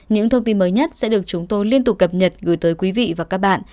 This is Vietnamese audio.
những thông tin mới nhất sẽ được chúng tôi liên tục cập nhật gửi tới quý vị và các bạn